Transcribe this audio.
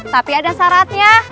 tapi ada syaratnya